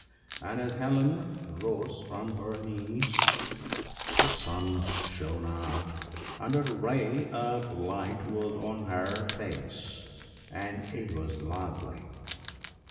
And as Helen rose from her knees, the sun shone out, and a ray of light was on her face, and it was lovely.